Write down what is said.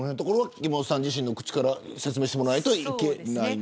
木本さん自身の口から説明してもらわないといけない。